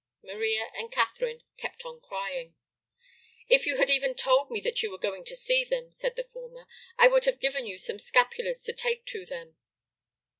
Maria and Catherine kept on crying. "If you had even told me that you were going to see them," said the former, "I would have given you some scapulars to take them."